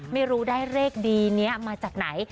ไม่รู้ได้เลขดีนี้มาจากไหน